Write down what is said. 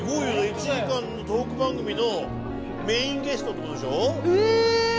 １時間のトーク番組のメインゲストってことでしょ？え！